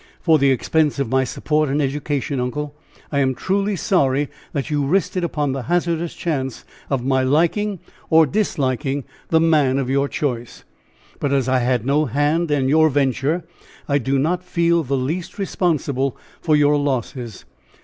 For the expense of my support and education, uncle! I am truly sorry that you risked it upon the hazardous chance of my liking or disliking the man of your choice! But as I had no hand in your venture, I do not feel the least responsible for your losses.